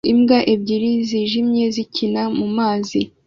Imbwa ebyiri zijimye zikina na mumazi